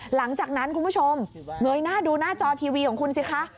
หลังจากนั้นคุณผู้ชมเงยหน้าดูหน้าจอทีวีของคุณสิคะ